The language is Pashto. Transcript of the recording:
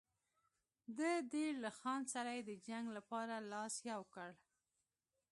د دیر له خان سره یې د جنګ لپاره لاس یو کړ.